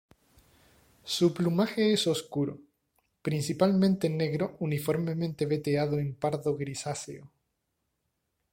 Su plumaje es oscuro, principalmente negro uniformemente veteado en pardo grisáceo.